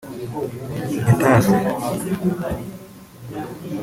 Getafe